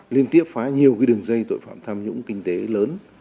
liên tiếp phá nhiều cái đường dây tội phạm tham nhũng kinh tế lớn